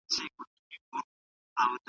ټول پنجاب به په اورونو کې ايره شي